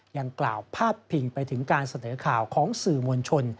ยังกล่าวพาดพิงไปถึงการเสนอข่าวของสื่อมวลชน